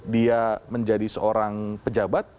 dia menjadi seorang pejabat